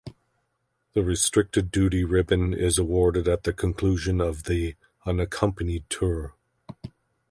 The Restricted Duty Ribbon is awarded at the conclusion of the unaccompanied tour.